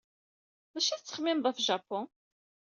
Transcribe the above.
D acu ay tettxemmimeḍ ɣef Japun?